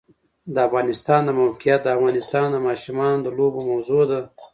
د افغانستان د موقعیت د افغان ماشومانو د لوبو موضوع ده.